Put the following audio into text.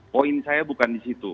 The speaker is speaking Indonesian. poin saya bukan di situ